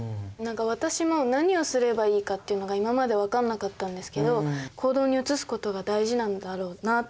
私も何をすればいいかっていうのが今まで分かんなかったんですけど行動に移すことが大事なんだろうなって。